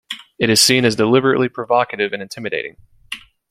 It is seen as deliberately provocative and intimidating.